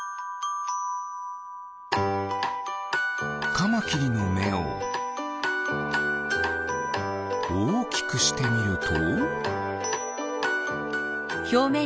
カマキリのめをおおきくしてみると？